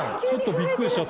びっくりしちゃった。